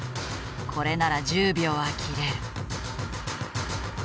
これなら１０秒は切れる。